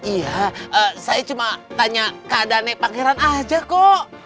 iya saya cuma tanya keadaannya pak pangeran aja kok